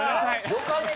よかった！